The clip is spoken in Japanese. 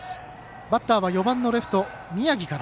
バッターは４番のレフト宮城から。